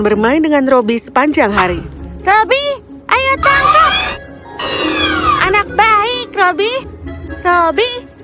bermain dengan robby sepanjang hari robby ayo tangkap anak baik robby